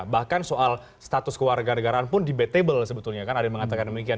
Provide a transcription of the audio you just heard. bahkan soal status kewarganegaraan pun debatable sebetulnya kan ada yang mengatakan demikian